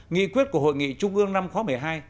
nghị quyết của hội nghị trung ương năm khóa một mươi hai